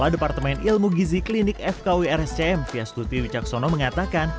departemen ilmu gizi klinik fkw rscm fyastuti wicaksono mengatakan